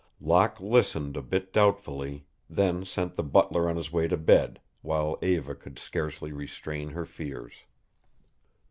Locke listened a bit doubtfully, then sent the butler on his way to bed, while Eva could scarcely restrain her fears.